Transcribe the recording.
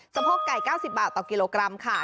สะโพกไก่๙๐บาทต่อกิโลกรัมค่ะ